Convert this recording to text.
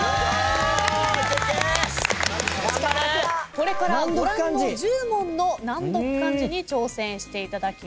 これからご覧の１０問の難読漢字に挑戦していただきます。